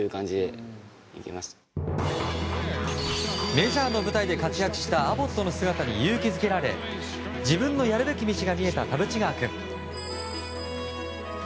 メジャーの舞台で活躍したアボットの姿に勇気づけられ自分のやるべき道が見えた田渕川君。